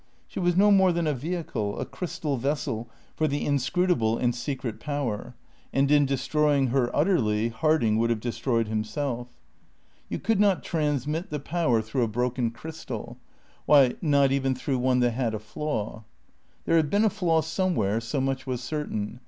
She was no more than a vehicle, a crystal vessel for the inscrutable and secret power, and in destroying her utterly Harding would have destroyed himself. You could not transmit the Power through a broken crystal why, not even through one that had a flaw. There had been a flaw somewhere; so much was certain.